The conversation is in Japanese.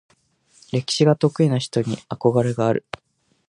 歴史が得意な人に憧れがある。